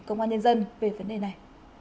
công an nhân dân về vấn đề này